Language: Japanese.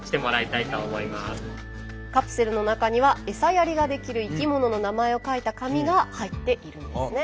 カプセルの中にはエサやりができる生き物の名前を書いた紙が入っているんですね。